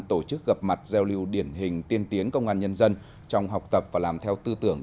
tổ chức gặp mặt giao lưu điển hình tiên tiến công an nhân dân trong học tập và làm theo tư tưởng